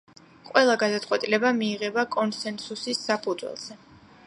ყველა გადაწყვეტილება მიიღება კონსენსუსის საფუძველზე.